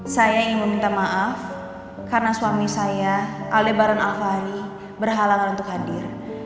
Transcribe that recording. saya ingin meminta maaf karena suami saya allebaran alfari berhalangan untuk hadir